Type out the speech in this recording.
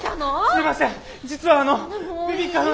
すいません実はあのベビーカーの。